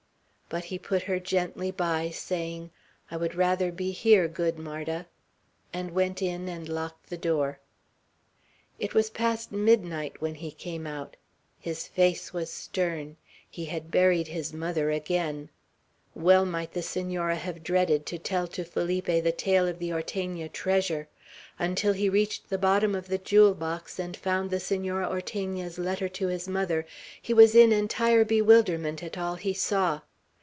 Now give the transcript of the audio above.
But he put her gently by, saying, "I would rather be here, good Marda;" and went in and locked the door. It was past midnight when he came out. His face was stern. He had buried his mother again. Well might the Senora have dreaded to tell to Felipe the tale of the Ortegna treasure. Until he reached the bottom of the jewel box, and found the Senora Ortegna's letter to his mother, he was in entire bewilderment at all he saw.